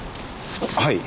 はい。